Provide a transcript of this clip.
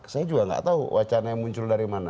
saya juga nggak tahu wacana yang muncul dari mana